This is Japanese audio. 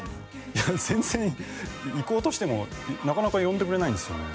いや全然行こうとしてもなかなか呼んでくれないんですよね